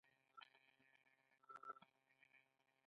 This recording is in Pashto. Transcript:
د ایمونوتراپي د بدن دفاع پیاوړې کوي.